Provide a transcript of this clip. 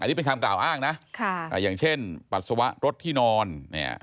อันนี้เป็นคำกล่าวอ้างนะอย่างเช่นปัสสาวะรถที่นอนเนี่ย